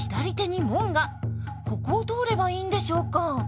ここを通ればいいんでしょうか？